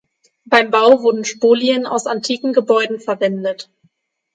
Beim Bau wurden Spolien aus antiken Gebäuden verwendet.